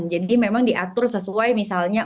jadi memang diatur sesuai misalnya